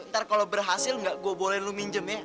ntar kalau berhasil nggak gue boleh lu minjem ya